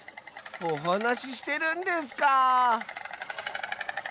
おはなししてるんですか。